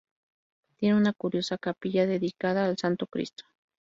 Tiene una curiosa capilla, dedicada al Santo Cristo.